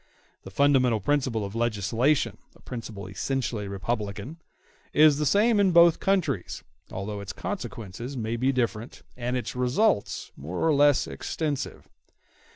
The fundamental principle of legislation—a principle essentially republican—is the same in both countries, although its consequences may be different, and its results more or less extensive.